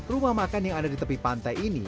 rumah makan yang ada di tepi pantai ini